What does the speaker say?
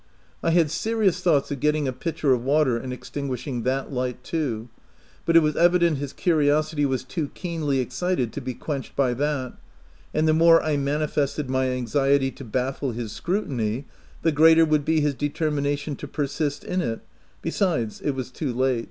I had serious thoughts of getting a pitcher of water and ex tinguishing that light too ; but it was evident his curiosity was too keenly excited to be quenched by that 3 and the more I manifested my anxiety to baffle his scrutiny, the greater would be his determination to persist in it — besides it was too late.